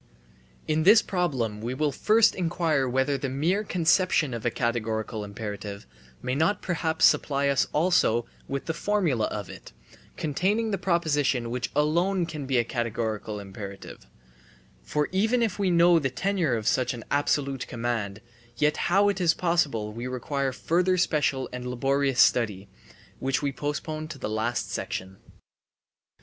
In this problem we will first inquire whether the mere conception of a categorical imperative may not perhaps supply us also with the formula of it, containing the proposition which alone can be a categorical imperative; for even if we know the tenor of such an absolute command, yet how it is possible will require further special and laborious study, which we postpone to the last section.